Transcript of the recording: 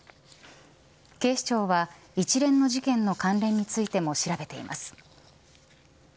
警視庁は、一連の事件の関連についても調べています。